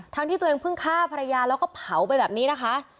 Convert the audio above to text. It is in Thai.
ที่ตัวเองเพิ่งฆ่าภรรยาแล้วก็เผาไปแบบนี้นะคะ